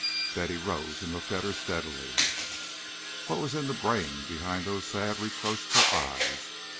Betty rose and looked at her steadily. What was in the brain behind those sad reproachful eyes?